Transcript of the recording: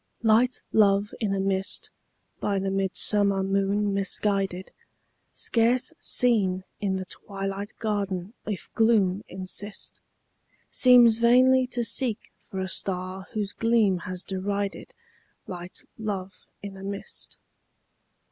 Light love in a mist, by the midsummer moon misguided, Scarce seen in the twilight garden if gloom insist, Seems vainly to seek for a star whose gleam has derided Light love in a mist.